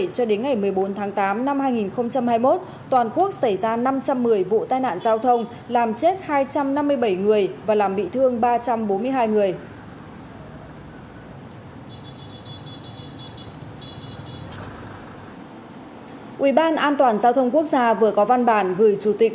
quỹ ban an toàn giao thông quốc gia vừa có văn bản gửi chủ tịch